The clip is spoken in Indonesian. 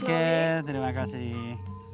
oke terima kasih